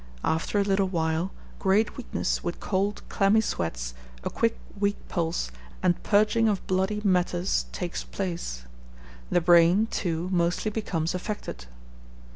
After a little while, great weakness, with cold, clammy sweats, a quick weak pulse, and purging of bloody matters, takes place. The brain, too, mostly becomes affected.